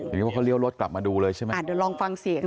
อย่างนี้ว่าเขาเลี้ยวรถกลับมาดูเลยใช่ไหมอ่าเดี๋ยวลองฟังเสียง